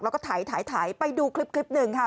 แล้วก็ถ่ายถ่ายไปดูคลิปหนึ่งค่ะ